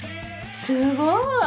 すごーい。